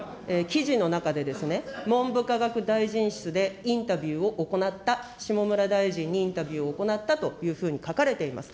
記事の中でですね、文部科学大臣室でインタビューを行った、下村大臣にインタビューを行ったというふうに書かれています。